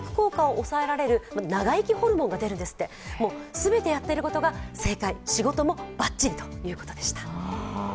全てやっていることが正解、仕事もバッチリということでした。